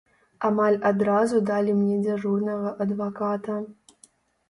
Амаль адразу далі мне дзяжурнага адваката.